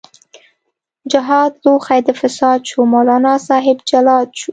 جهاد لوښۍ د فساد شو، مولانا صاحب جلاد شو